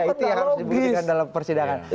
itu yang harus dibuktikan dalam persidangan